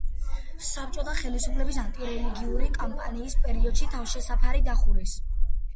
საბჭოთა ხელისუფლების ანტირელიგიური კამპანიის პერიოდში თავშესაფარი დახურეს.